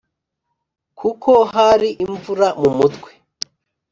kuko hari imvura mumutwe.